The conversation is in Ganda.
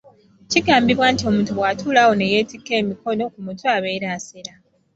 Kigambibwa nti omuntu bw'atuula awo n’eyeetikka emikono ku mutwe abeera asera.